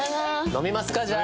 飲みますかじゃあ。